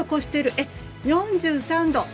えっ４３℃。